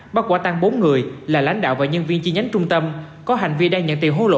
bắt quả tăng bốn người là lãnh đạo và nhân viên chi nhánh trung tâm có hành vi đang nhận tiền hối lộ